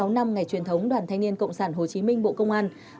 sáu mươi sáu năm ngày truyền thống đoàn thanh niên cộng sản hồ chí minh bộ công an